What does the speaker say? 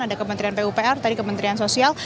ada kementerian pupr tadi kementerian sosial